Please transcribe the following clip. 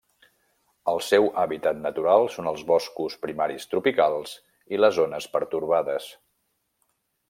El seu hàbitat natural són els boscos primaris tropicals i les zones pertorbades.